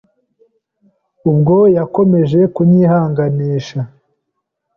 Ubwo yakomeje kunyihanganisha,